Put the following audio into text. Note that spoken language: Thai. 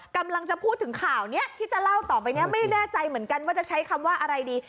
กำลังจะพูดถึงข่าวนี้ที่จะเล่าต่อไปนี้ไม่แน่ใจเหมือนกันว่าจะใช้คำว่าอะไรดี